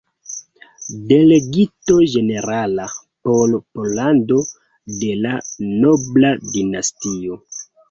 Delegito Ĝenerala por Pollando de la "Nobla Dinastio.